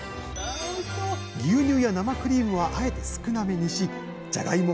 牛乳や生クリームはあえて少なめにしじゃがいも